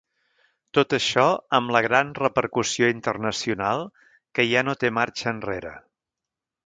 Tot això amb la gran repercussió internacional que ja no té marxa enrere.